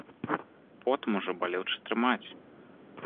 Потым ужо балюча трымаць.